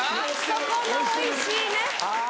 ・そこのおいしいね・あぁ